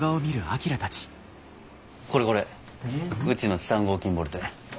これこれうちのチタン合金ボルトや。